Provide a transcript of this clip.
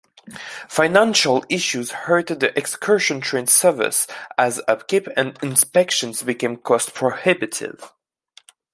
Financial issues hurt the excursion train service, as upkeep and inspections became cost prohibitive.